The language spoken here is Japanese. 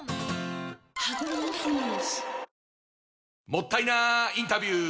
もったいなインタビュー！